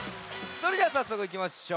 それではさっそくいきましょう。